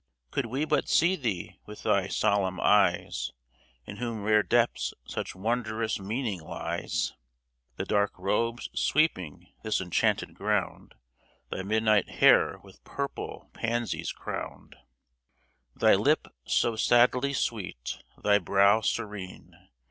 Could we but see thee with thy solemn eyes, In whose rare depths such wondrous meaning lies — Thy dark robes sweeping this enchanted ground — Thy midnight hair with purple pansies crowned — 112 PAST AND PRESENT Thy lip so sadly sweet, thy brow serene